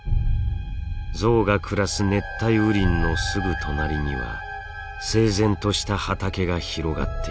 ゾウが暮らす熱帯雨林のすぐ隣には整然とした畑が広がっています。